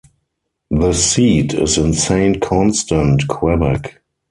The seat is in Saint-Constant, Quebec.